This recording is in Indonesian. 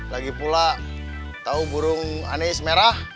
lagi pula tau burung anis merah